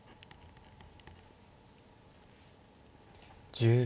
１０秒。